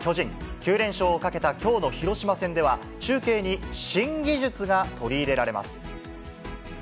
９連勝をかけたきょうの広島戦では、中継に新技術が取り入れられます。